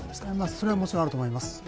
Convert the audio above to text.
それはもちろんあると思います。